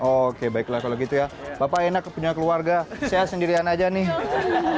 oke baiklah kalau begitu ya bapak enak punya keluarga saya sendirian saja nih